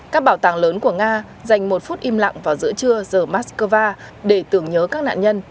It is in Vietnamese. các bảo tàng lớn của nga dành một phút im lặng vào giữa trưa giờ moscow để tưởng nhớ các nạn nhân